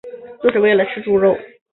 就是为了吃猪肉